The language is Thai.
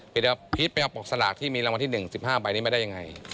เดี๋ยวพีชไปเอาปกสลากที่มีรางวัลที่๑๕ใบนี้มาได้ยังไง